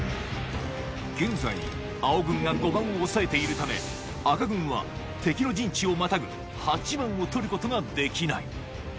現在青軍が５番を押さえているため赤軍は敵の陣地をまたぐ８番を取ることができない